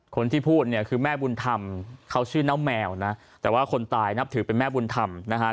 คนที่พูดเนี่ยคือแม่บุญธรรมเขาชื่อน้องแมวนะแต่ว่าคนตายนับถือเป็นแม่บุญธรรมนะฮะ